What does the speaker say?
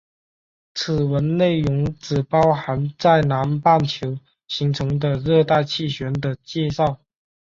此文内容只包含在南半球形成的热带气旋的介绍。